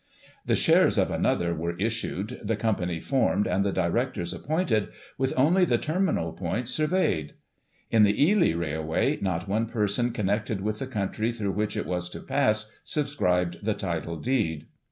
" The shares of another were issued, the company formed, and the directors appointed, with only the terminal points sur veyed. In the Ely railway, not one person connected with the country through which it was to pass, subscribed the title deed.